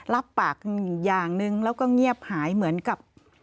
รับปากอย่างหนึ่งแล้วก็เงียบหายเหมือนกับ